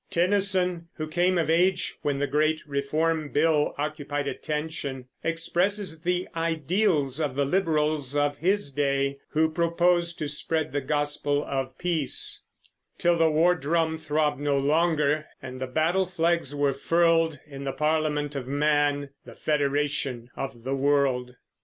Tennyson, who came of age when the great Reform Bill occupied attention, expresses the ideals of the Liberals of his day who proposed to spread the gospel of peace, Till the war drum throbb'd no longer, and the battle flags were furled In the Parliament of Man, the Federation of the world.